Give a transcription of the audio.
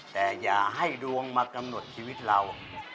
แต่อย่าให้ดวงมากำหนดชีวิตเรา